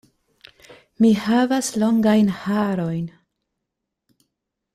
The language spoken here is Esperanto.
Mi havas longajn harojn.